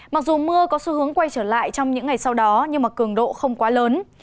mặc dù mưa có xu hướng quay trở lại trong những ngày sau đó nhưng mà cường độ không quá lớn